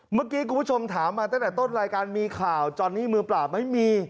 เมื่อกี้คุณผู้ชมถามมาตั้งแต่ต้นรายการมีข่าวจอนนี่มือเปล่าไม่มี